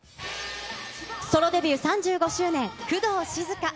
ソロデビュー３５周年、工藤静香。